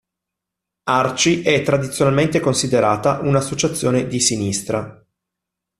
Arci è tradizionalmente considerata un'associazione di sinistra.